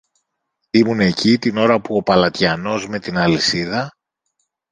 ήμουν εκεί την ώρα που ο παλατιανός με την αλυσίδα